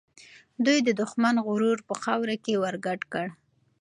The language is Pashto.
دوی د دښمن غرور په خاوره کې ورګډ کړ.